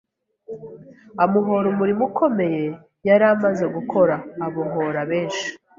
amuhora umurimo ukomeye yari amaze gukora abohora benshi